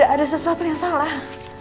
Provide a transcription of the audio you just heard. ada sesuatu yang salah